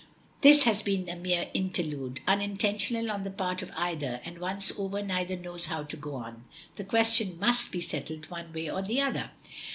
This has been a mere interlude, unintentional on the part of either, and, once over, neither knows how to go on. The question must be settled one way or the other.